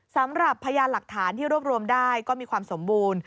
สำหรับพยานหลักฐานที่รวบรวมได้ก็มีความสมบูรณ์